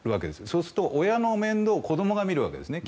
そうすると親の面倒を子供が見るわけですね